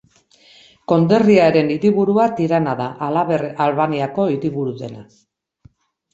Konderriaren hiriburua Tirana da, halaber Albaniako hiriburu dena.